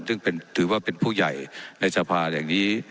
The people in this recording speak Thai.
ซึ่งถือว่าเป็นผู้ใหญ่ในสภาแห่งนี้